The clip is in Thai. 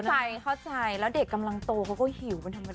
เข้าใจเข้าใจแล้วเด็กกำลังโตเขาก็หิวเป็นธรรมดา